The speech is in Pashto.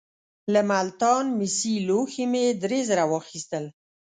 له ملتان مسي لوښي مې درې زره واخیستل.